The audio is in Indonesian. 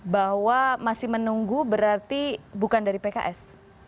bahwa masih menunggu berarti bukan dari pks